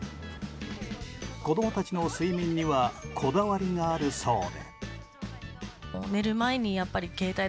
子供たちの睡眠にはこだわりがあるそうで。